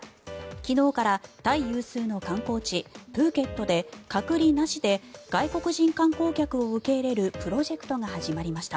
昨日からタイ有数の観光地プーケットで、隔離なしで外国人観光客を受け入れるプロジェクトが始まりました。